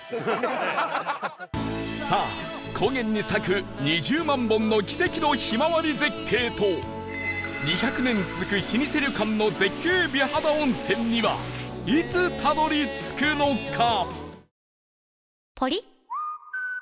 さあ高原に咲く２０万本の奇跡のひまわり絶景と２００年続く老舗旅館の絶景美肌温泉にはいつたどり着くのか？